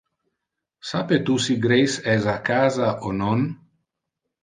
Sape tu si Grace es a casa o non?